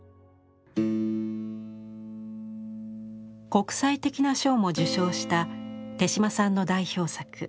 国際的な賞も受賞した手島さんの代表作